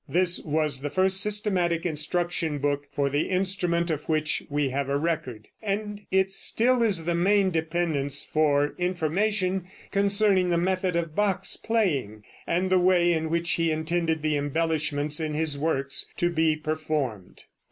This was the first systematic instruction book for the instrument of which we have a record, and it still is the main dependence for information concerning the method of Bach's playing, and the way in which he intended the embellishments in his works to be performed.